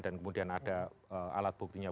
dan kemudian ada alat buktinya